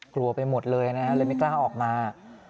กลัวไปหมดเลยนะฮะเลยไม่กล้าออกมา